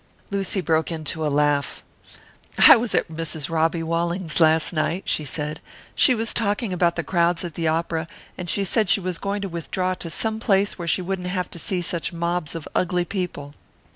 Lucy broke into a laugh. "I was at Mrs. Robbie Walling's last night," she said. "She was talking about the crowds at the opera, and she said she was going to withdraw to some place where she wouldn't have to see such mobs of ugly people."